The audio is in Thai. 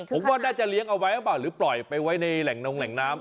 ผมว่าได้จะเลี้ยงเอาไว้หรือปล่อยไปไว้ในแหล่งน้ำ